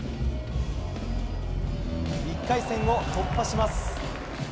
１回戦を突破します。